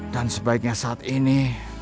dan sebaiknya saat ini